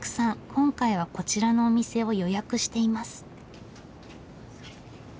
今回はこちらのお店を予約しています。